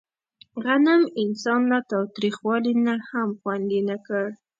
غنم انسان له تاوتریخوالي نه هم خوندي نه کړ.